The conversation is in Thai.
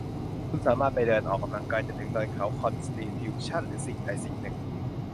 คุณสามารถไปเดินออกกำลังกายจนถึงเนินเขาคอนสติทิวชั่นหรือสิ่งใดสิ่งหนึ่ง